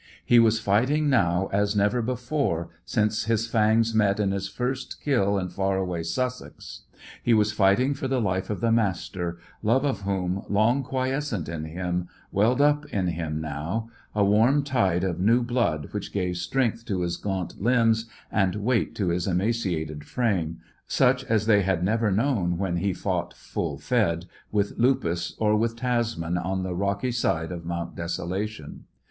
He was fighting now as never before since his fangs met in his first kill in far away Sussex. He was fighting for the life of the Master, love of whom, long quiescent in him, welled up in him now; a warm tide of new blood which gave strength to his gaunt limbs and weight to his emaciated frame, such as they had never known when he fought, full fed, with Lupus, or with Tasman, on the rocky side of Mount Desolation.